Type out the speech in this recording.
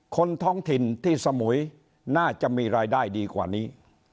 ท้องถิ่นที่สมุยน่าจะมีรายได้ดีกว่านี้